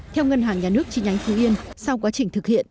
theo ngân hàng nhà nước chi nhánh phú yên sau quá trình thực hiện